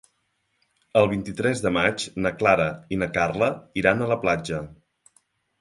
El vint-i-tres de maig na Clara i na Carla iran a la platja.